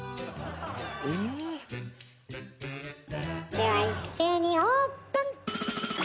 では一斉にオープン！